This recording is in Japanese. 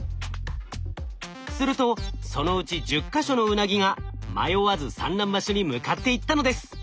するとそのうち１０か所のウナギが迷わず産卵場所に向かっていったのです。